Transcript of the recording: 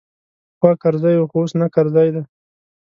پخوا کرزی وو خو اوس نه کرزی دی.